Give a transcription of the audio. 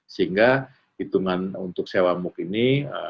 sehingga hitungan untuk sewa mooc ini